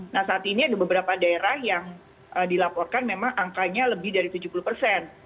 nah saat ini ada beberapa daerah yang dilaporkan memang angkanya lebih dari tujuh puluh persen